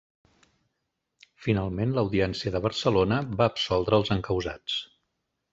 Finalment, l'Audiència de Barcelona va absoldre els encausats.